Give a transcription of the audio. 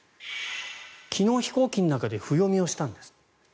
昨日、飛行機の中で譜読みをしたんです。